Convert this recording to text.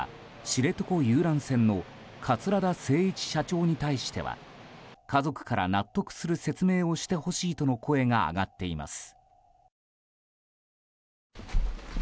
知床遊覧船の桂田精一社長に対しては家族から納得する説明をしてほしいとの声が上がっています。